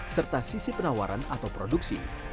serta sisi penawaran atau produksi